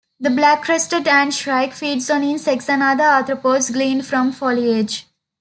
The black-crested antshrike feeds on insects and other arthropods gleaned from foliage.